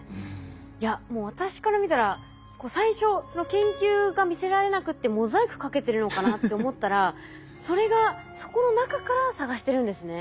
いやもう私から見たら最初その研究が見せられなくてモザイクかけてるのかなって思ったらそれがそこの中から探してるんですね。